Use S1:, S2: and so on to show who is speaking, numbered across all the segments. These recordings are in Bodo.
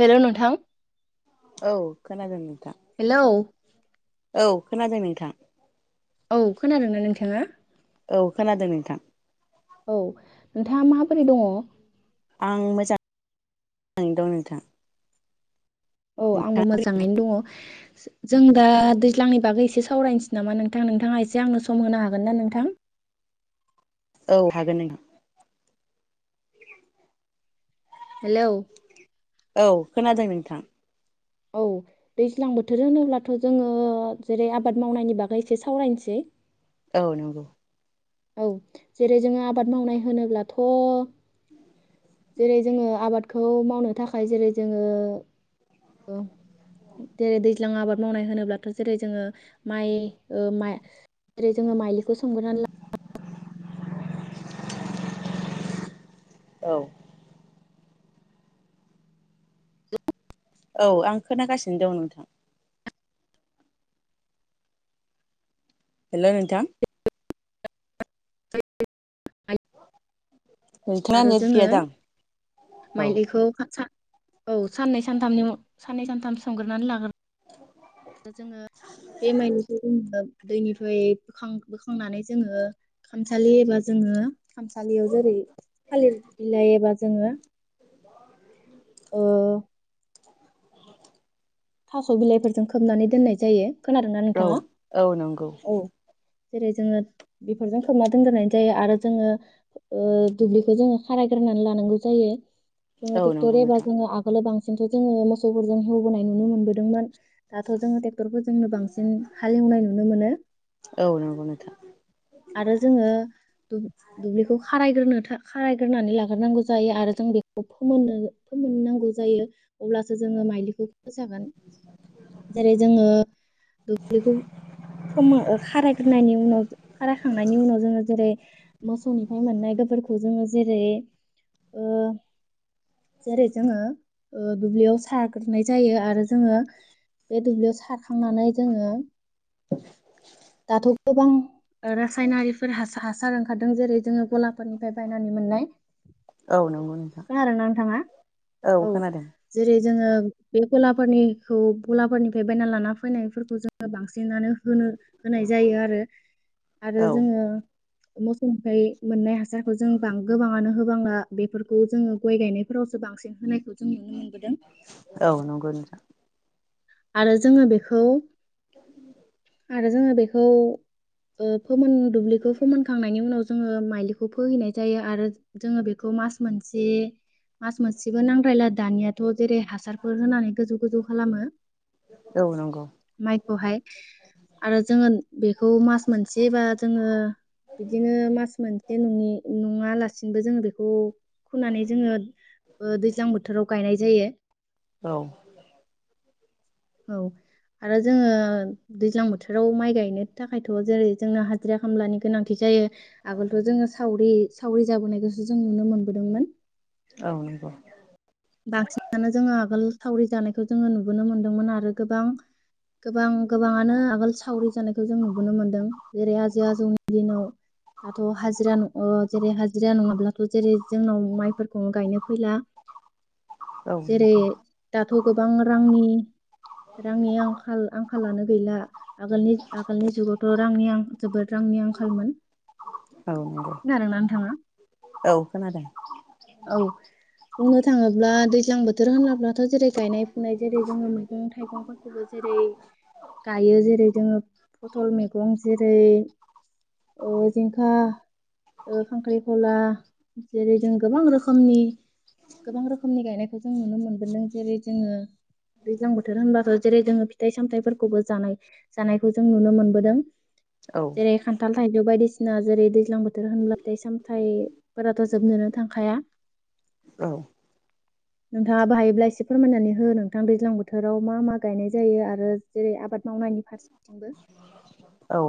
S1: हेल' नोंथां
S2: औ खोनादों नोंथां
S1: हेल'
S2: औ खोनादों नोंथां
S1: औ खोनादोंना नोंथाङा?
S2: औ खोनादों नोंथां
S1: औ नोंथाङा माबोरै दङ?
S2: आं मोजां मोजाङै दं नोंथां
S1: औ आंबो
S2: नोंथाङा
S1: मोजाङैनो दङ जों दा दैज्लांनि बागै एसे सावरायनोसै नामा नोंथां नोंथाङा एसे आंनो सम होनो हागोन ना नोंथां?
S2: औ हागोन नों [unintelligible]
S1: हेलौ
S2: औ खोनादों नोंथां
S1: औ दैज्लां बोथोर होनोब्लाथ' जोङो जेरै आबाद मावनायनि बागै एसे सावरायनोसै
S2: औ नंगौ
S1: औ जेरै जोङो आबाद मावनाय होनोब्लाथ'
S2: [inaudible]
S1: जेरै जोङो आबादखौ मावनो थाखाय जेरै जोङो जेरै दैज्लां आबाद मावनाय होनोब्लाथ' जेरै जोङो माइ माइ जेरै जोङो माइलिखौ सोमग्रोना ला
S2: औ औ आं खोनागासिनो दं नोंथां हेल' नोंथां
S1: ला
S2: नोंथाङा
S1: आरो
S2: नेट
S1: जोङो
S2: गैया दां औ
S1: माइलिखौ औ साननै सानथामनि साननै सानथाम सोमग्रोनानै लाग्रो जोङो बे [unintelligible] दैनिफ्राय बोखां बोखांनानै जोङो खामसालि एबा जोङो खामसालियाव जेरै थालिर बिलाइ एबा जोङो ओ थास' बिलाइफोरजों खोबनानै दोननाय जायो। खोनादोंना
S2: औ
S1: नोंथाङा
S2: औ नंगौ।
S1: औ जेरै जोङो बेफोरजों खोमा दोनग्रोनाय जायो आरो जोङो दुब्लिखौ जोङो खारायग्रोनानै लानांगौ जायो जोङो
S2: औ नंगौ
S1: टेक्टर
S2: नोंथां
S1: एउब्ला आगोला [unintelligible] नुनो मोनबोदोंमोन दाथ जोङो टेक्ट टेक्टरखौ जोंनो बांसिन हालेवनाय नुनो मोनो
S2: औ नंगौ नोंथां
S1: आरो जोङो दुब्लिखौ खारायग्रोनो था खारायग्रोनानै लाग्रोनांगौ जायो आरो जों बेखौ फोमोननो फोमोननांगौ जायो अब्लासो जोङो माइलिखौ जागोन जेरै जोङो दुब्लिखौ फोमो खारायग्रोनायनि उनाव खारायखांनायनि उनाव जोङो जेरै मोसौनिफ्राय मोननाय गोबोरखौ जोङो जेरै ओ जेरै जोङो दुब्लियाव सारगोनाय जायो आरो जोङो बे दुब्लियाव सारखांनानै जोङो [unintelligible] गोबां रासायनारिफोर हासार ओंखारदों जेरै जोङो गलाफोरनिफ्राय बायनानै मोननाय।
S2: औ नंगौ नोंथां
S1: खोनादों ना नोंथाङा औ जेरै जोङो। बे गलाफोरनिखौ गलाफोरनिफ्राय बायना लाना फैनायफोरखौ जोङो बांसिनानो होनो होनाय जायो आरो-आरो
S2: औ
S1: जोङो। मोसौफ्राय मोननाय हासारखौ जों गोबाङानो होबाङा बेफोरखौ जोङो गय गायनायफोराव। जों बांसिन होनायखौ जों नुनो मोनबोदों।
S2: औ नंगौ नोंथां।
S1: आरो जोङो बेखौ
S2: [inaudible]
S1: आरो जोङो बेखौ। फोमोन दुब्लिखौ फोमोनखांनायनि उनाव जोङो माइलिखौ फोहैनाय जायो आरो जोङो बेखौ मास मोनसे मास मोनसेबो नांद्रायला दानियाथ। जेरै हासारफोर होनानै गोजौ गोजौ खालामो
S2: औ नंगौ
S1: माइखौहाय। आरो जोङो बेखौ मास मोनसेबा जोङो बिदिनो मास मोनसे नि नङालासिनोबो जोङो बेखौ खुनानै जोङो दैज्लां बोथोराव गायनाय जायो।
S2: औ
S1: औ आरो जोङो दैज्लां बोथोराव माइ गायनो थाखायथ जेरै जोंना हाजिरा खामलानि गोनांथि जायो आगोलथ जोङो सावरि सावरि जाबोनायखौसो जों नुनो मोनबोदोंमोन।
S2: औ नंगौ
S1: बांसिनानो जोङो आगोल सावरि जानायखौ जोङो नुबोनो मोनदोंमोन आरो गोबां गोबां गोबाङानो आगोल सावरि जानायखौ जों नुबोनो मोनदों जेरै आजै आजौनि दिनाव दाथ हाजिरा न जेरै हाजिरा नङाब्लाथ जेरै जोंनाव माइफोरखौनो गायनो फैला।
S2: औ
S1: जेरै
S2: नंगौ
S1: दाथ गोबां रांनि। रांनि आंखाल आंखालानो गैला। आगोलनि आगोलनि जुगावथ रांनिं जोबोद रांनि आंखालमोन।
S2: औ नंगौ
S1: खोनादोंना नोंथाङा?
S2: औ खोनादों।
S1: औ बुंनो थाङो ब्ला दैज्लां बोथोर होनोब्ला जेरै गायनाय फुनाय जेरै जोङो मैगं थाइगंफोरखौबो जेरै गायो जेरै। जोङो फथल मैगं जेरै ओ जिंखा खांख्राइखला जेरै जों गोबां रोखोमनि गोबां रोखोम बेखौ जों नुनो मोन जैरै जों दैज्लां बोथोर होनबो जेरै जोङो फिथाइ सामथायाइफोरखौबो जानाय जानायखौ जों नुनो मोनबोदों।
S2: औ
S1: जेरै खान्थाल थाइजौ बायदिसिना। ना जेरै दैज्लां बोथोर बोथोर होनब्लाथाय सामथायाइफोराथ जोबनोनो थांखाया।
S2: औ
S1: नोंथाङा बाहायोब्ला एसे फोरमायनानै हो नोंथां दैज्लां बोथोराव मा मा गायनाय जायो आरो जेरै आबाद मावनायनि फारसेथिंबो
S2: औ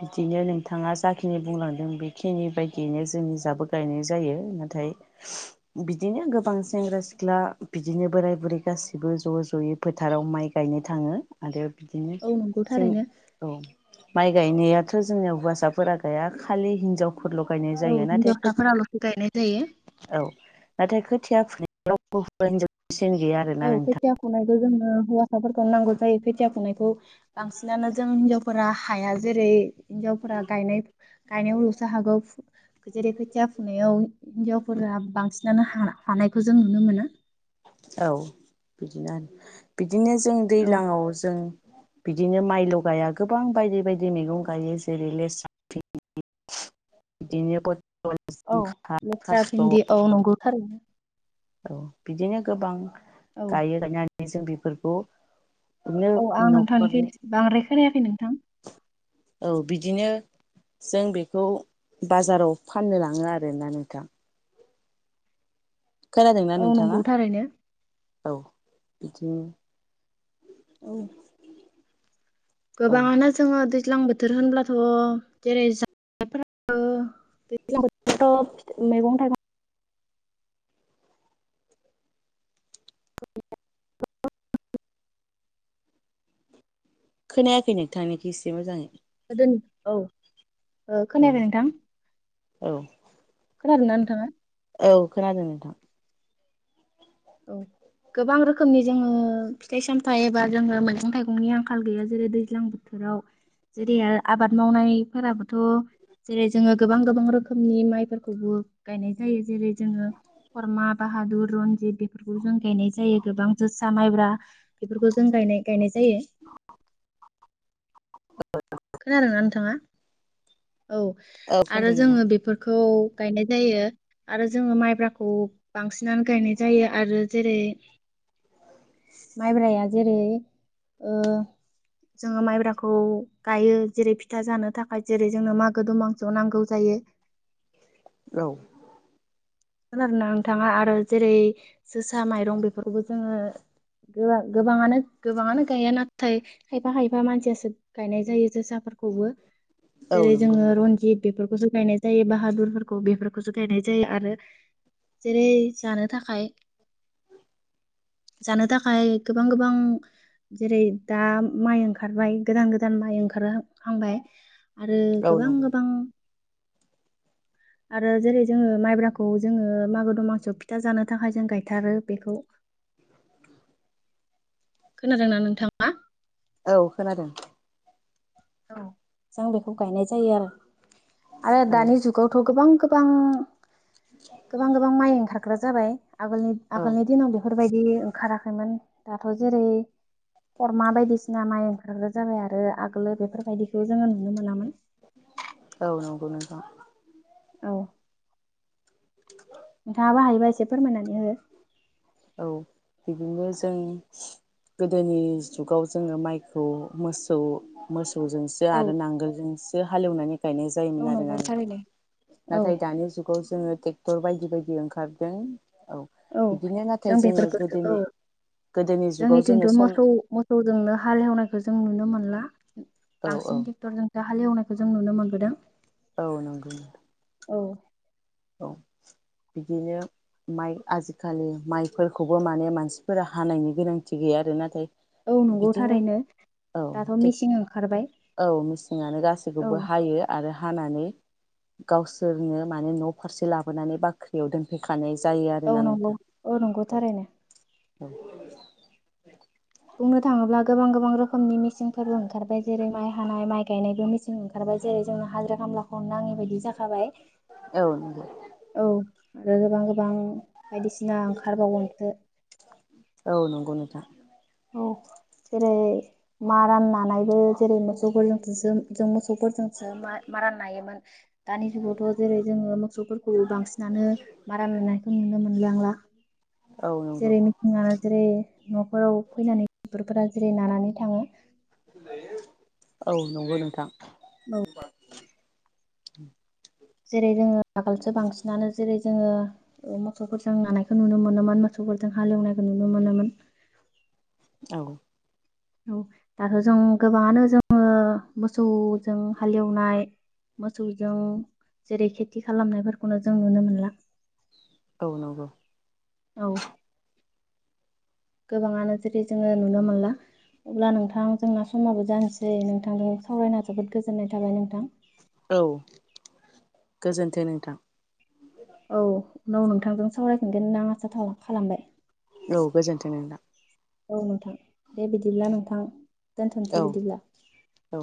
S2: बिदिनो नों थाङा जाखिनि बुंलांदों बेखिनि बायदियैनो जोंनि जाबो गायनाय जायो नाथाय बिदिनो गोबां सेंग्रा- सिख्ला बिदिनो बोराय-बुरै गासैबो ज' ज'यै फोथाराव माइ गायनो थाङो आरो। बिदिनो
S1: औ नंगौ
S2: जों
S1: थारैनो
S2: औ माइ गायनायाथ' जोंनिया हौवासाफोरा गैया खालि हिनजाव
S1: औ हिन्जावसाफोराल'सो गायनाय जायो।
S2: औ नाथाय खोथिया फुनाय रावबो होवा हिनजाव बेसेन गैया आरोना नोंथां
S1: खौ जोंङनो हौवासाफोरखौनो नांगौ जायो। खोथिया फुनायखौ बांसिनानो जों हिनजावफोरा हाया जेरै हिन्जावफोरा गायनाय गायनायावल'सो हागौ जेरै खोथिया फुनायाव हिनजावफोरा बांसिनानो हा-हानायखौ जों नुनो मोना।
S2: औ बिदिनो आरो बिद बिदिनो जों
S1: औ
S2: दैज्लाङाव जों बिदिनो माइल' गाया गोबां बायदि बायदि मैगं गायो जेरै लेस्रा भेन्दि, बिदिनो फोद
S1: औ लेस्रा भिन्दि औ नंगौ थारैनो
S2: औ बिदिनो गोबां
S1: औ
S2: गायो दानिया, जों बेफोरखौ बिदिनो
S1: औ आं नोंथांनिखौ
S2: न'खरनि
S1: बांद्राय खोनायाखै नोंथां,
S2: औ बिदिनो जों बेखौ बाजाराव फाननो लाङो आरोना नोंथां, खोनादोंना
S1: औ
S2: नोंथाङा?
S1: नंगौ थारैनो
S2: औ बिदिनो
S1: औ
S2: औ
S1: गोबांङानो जोङो दै दैज्लां बोथोर होनब्लाथ' जेरै जानायफोरो दैज्लां बोथोराव' मैगं थाइगं,
S2: खोनायाखै नोंथांनिखौ एसे मोजाङै,
S1: गोदोनि औ ओ
S2: औ
S1: खोनायाखै नोंथां?
S2: औ
S1: खोनादोंना नोंथाङा?
S2: औ खोनादों नोंथां।
S1: औ गोबां रोखोमनि जोङो फिथाइ-सामथायाइ एबा जोङो मैगं थाइगंनि आंखाल गैया जेरै दैज्लां बोथोराव जेरै आबाद मावनायफोराबोथ' जेरै जोङो गोबां गोबां रोखोमनि माइफोरखौबो गायनाय जायो जेरै जोङो खरमा, बाहादुर, रनजित बे फोरखौ जों गायनाय जायो गोबां जोसा, माइब्रा बेफोरखौ जों गायनाय गायनाय, जायो। खोनादों ना नोंथाङा? औ
S2: औ
S1: आरो
S2: खोनादों नोंथां
S1: जोङो बेफोरखौ। गायनाय जायो आरो जोङो माइब्राखौ बांसिनानो गायनाय जायो आरो जेरै माइब्राया जेरै ओ जोङो माइब्राखौ गायो जेरै फिथा जानो थाखाय जेरै जोंनो मागो दमानस' आव नांगौ जायो।
S2: औ।
S1: खोनादोना नोंथाङा आरो जेरै जोसा माइरं बेफोरखौबो जोङो गोबाङानो गोबाङानो गाया नाथाय खायफा खायफा मानसियासो गायनाय जायो जोसा फोरखौबो
S2: औ
S1: जेरै
S2: नंगौ
S1: जोङो
S2: नोंथां
S1: रनजित बेफोरखौ जो गायनाय जायो बाहादुरफोरखौ बेफोरखौसो गायनाय जायो आरो। जेरै जानो थाखाय जानो थाखाय गोबां गोबां जेरै दा माइ ओंखारबाय गोदान गोदान माइ ओंखारहांबाय। आरो
S2: औ
S1: गोबां
S2: नंगौ
S1: गोबां। आरो जेरै जोंङो माइब्रा। खौ जोङो मागो दमासिआव फिथा जानो थाखाय जों गायथारो बेखौ खोनादोंना नोंथाङा।
S2: औ खोनादों।
S1: औ जों बेखौ गायनाय जायो आरो। आरो
S2: औ
S1: दानि जुगावथ गोबां। गोबां। गोबां गोबां माइ ओंखार। हाग्रा जाबाय। आगोलनि
S2: औ
S1: आगोलनि दिन बेफोर बेफोरबायदि ओंखाराखैमोन दाथ जेरै खरमा बायदिसिना माइ। आगोल जाबाय आरो आगोल। बेफोरबायदिखौ जोंङो नुनो मोनामोन।
S2: औ नोंगौ नोंथां।
S1: औ।
S2: [inaudible]
S1: नोंथाङाबो हायोबा एसे फोरमायनानै हो।
S2: बिदिनो जों गोदोनि जुगाव जोंङो माइखौ मोसौ मोसौ। मोसौजोंसो
S1: औ
S2: आरो नांगोलजों हालेवनानै गायनाय
S1: औ
S2: जायोमोन आरोना
S1: नंगौ
S2: नोंथां
S1: थारैनो औ
S2: नाथाय दानि जुगाव जोंङो। ट्रेक्टर बायदि बायदि ओंखारदों। औ
S1: औ
S2: बिदिनो
S1: जों
S2: जोङो
S1: बेफोरखौ औ
S2: गोदोनि गोदोनि जुगाव
S1: जोंनिथिंथ
S2: जोङो सम
S1: मोसौ मोसौजोंनो हालेवनायखौ जों नुनो मोनला
S2: औ औ
S1: बांसिन ट्रेक्टरजोंसो हालेवनाय। बेखौ जों नुनो मोनबोदों।
S2: औ नंगौ
S1: औ
S2: औ बिदिनो माइ आजिखालि माइफोरखौबो माने मानसिफोरा हानायनि गोनांथि गैया आरो नाथाय
S1: औ नंगौ
S2: बिदिनो
S1: थारैनो
S2: औ
S1: दाथ' मेचिन ओंखारबाय
S2: औ मेसिङानो
S1: औ
S2: गासैखौबो हायो आरो हानानै गावसोरनो माने न' फारसे लाबोनानै बाख्रियाव दोनफैखानाय जायो
S1: औ
S2: आरोना
S1: नंगौ
S2: नोंथां
S1: औ नंगौ थारैनो
S2: [inaudible]
S1: बुंनो थांङोब्ला गोबां गोबां रोखोमनि मेसिनफोरबो ओंखारबाय जेरै माइ हानाय माइ गायनायबो मेसिन ओंखारबाय जेरै जोंनो हाजिरा खामलाखौ नाङैबायायदि जाखाबाय
S2: औ नंगौ
S1: औ आरो गोबां गोबां बायदिसिना ओंखारबावगोनसो
S2: औ [inaudible]
S1: औ जेरै मारा नानानैबो जेरै मोसौफोरजों जों मोसौ फोरफोरजोंसो मा-मारा नायोमोन दानि जुगावथ' जेरै- जोङो मोसौफोरखौ बांसिनानो मारानानायखौ नुनो मोनबांला
S2: औ नंगौ
S1: जेरै मेसिना जेरै न'खराव फैनानै टेक्टरफोरा जेरै नानानै थाङो
S2: औ नंगौ नोंथां [unintelligible] उ [inaudible]
S1: जेरै जोङो आगोलसो बांसिनानो जेरै जोङो ओ मोसौफोरजों नानायखौ नुनो मोनोमोन मोसौफोरजों हालेवनायखौ नुनो मोनोमोन
S2: औ
S1: औ दाथ' जों गोबाङानो जोङो मोसौजों हालेवनाय मोसौजों जेरै खेथि खालामनायफोरखौनो जों नुनो मोनला
S2: औ नंगौ
S1: औ गोबाङानो जेरै जोङो नुनो मोनला अब्ला नोंथां जोंना समाबो जानोसै नोंथांजों सावरायना जोबोद गोजोननाय थाबाय नोंथां।
S2: औ गोजोनथों नोंथां
S1: औ उनाव नोंथांजों सावरायफिनगोन आं आसा खालामबाय
S2: औ गोजोनथों नोंथां
S1: औ नोंथां दे बिदिब्ला नोंथां
S2: औ
S1: दोनथ'सै बिदिब्ला
S2: औ